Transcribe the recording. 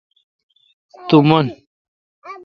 تو من